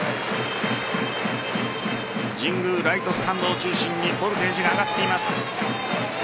神宮、ライトスタンドを中心にボルテージが上がっています。